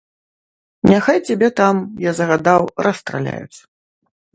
Няхай цябе там, я загадаў, расстраляюць.